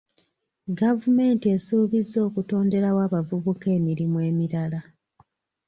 Gavumenti esuubizza okutonderawo abavubuka emirimu emirala.